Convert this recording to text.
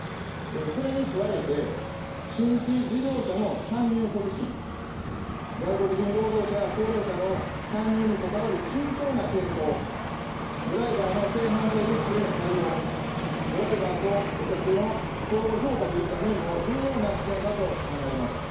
それに加えて、新規事業者の参入促進、外国人労働者、高齢者の参入に関わる慎重な検討、ドライバーの性犯罪リスクへの対応、ドライバーとお客の相互評価といった面も重要な視点だと考えます。